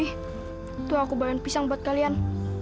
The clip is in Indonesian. itu aku bayarin pisang buat kalian